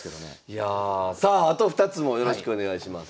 いやあさああと２つもよろしくお願いします。